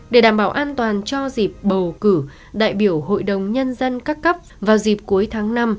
để đảm bảo an toàn cho dịp bầu cử đại biểu hội đồng nhân dân các cấp vào dịp cuối tháng năm